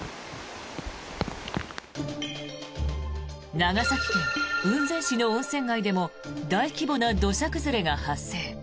長崎県雲仙市の温泉街でも大規模な土砂崩れが発生。